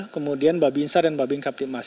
kemudian babi insar dan babi ngkap timas